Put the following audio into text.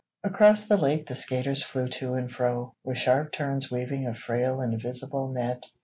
Across the lake the skaters Flew to and fro, With sharp turns weaving A frail invisible net.